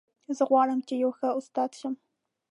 زه غواړم چې یو ښه استاد شم